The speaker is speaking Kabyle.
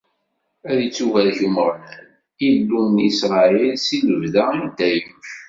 Ad ittubarek Umeɣlal, Illu n Isṛayil, si lebda, i dayem!